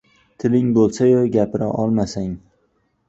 Tiling bo‘lsayu, gapira olmasang...